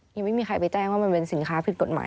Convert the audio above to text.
ยังไม่มีใครไปแจ้งว่ามันเป็นสินค้าผิดกฎหมาย